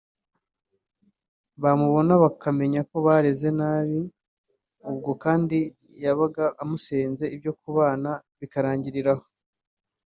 bamubona bakamenya ko bareze nabi; ubwo kandi yabaga amusenze ibyo kubana bikarangirira aho